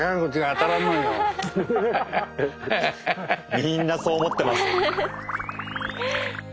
みんなそう思ってます。